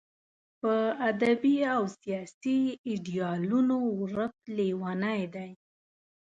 په ادبي او سیاسي ایډیالونو ورک لېونی دی.